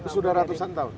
sudah ratusan tahun